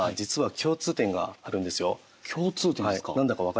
共通点ですか？